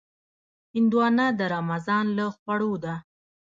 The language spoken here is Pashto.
هندوانه د رمضان له خوړو ده.